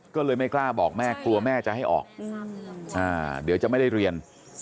ก็เลยไม่กล้าบอกแม่กลัวแม่จะให้ออกเดี๋ยวจะไม่ได้เรียน